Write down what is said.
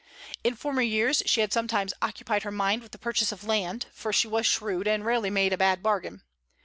In former years she had sometimes occupied her mind with the purchase of land; for she was shrewd, and rarely made a bad bargain.